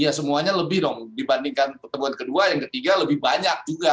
ya semuanya lebih dong dibandingkan pertemuan kedua yang ketiga lebih banyak juga